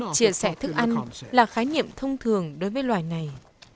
chia sẻ thức ăn là khái niệm thông thường đối với loài này